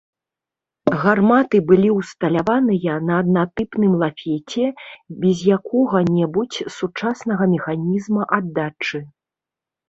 Гарматы былі ўсталяваныя на аднатыпным лафеце, без якога-небудзь сучаснага механізма аддачы.